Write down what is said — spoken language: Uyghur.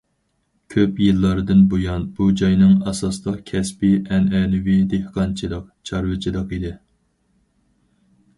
كۆپ يىللاردىن بۇيان، بۇ جاينىڭ ئاساسلىق كەسپى ئەنئەنىۋى دېھقانچىلىق، چارۋىچىلىق ئىدى.